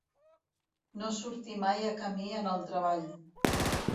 No sortir mai a camí en el treball.